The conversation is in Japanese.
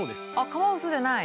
カワウソじゃない？